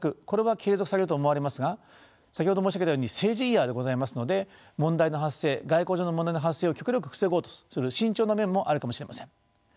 これは継続されると思われますが先ほど申し上げたように政治イヤーでございますので問題の発生外交上の問題の発生を極力防ごうとする慎重な面もあるかもしれません。